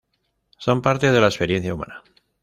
Son parte de la experiencia humana.